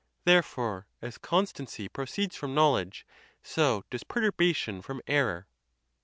Therefore, as constancy proceeds from knowledge, so does perturbation from error.